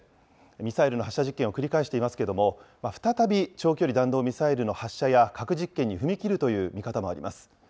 ミサイルの発射実験を繰り返していますけれども、再び長距離弾道ミサイルの発射や核実験に踏み切るという見方もあります。